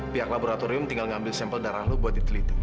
pihak laboratorium tinggal ngambil sampel darah lu buat diteliti